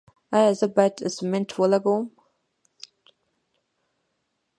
ایا زه باید سټنټ ولګوم؟